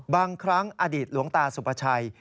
บางครั้งอดีตหลวงตาสุภาชัย